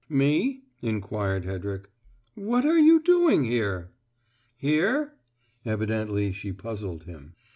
"Me?" inquired Hedrick. "What are you doing here?" "Here?" Evidently she puzzled him.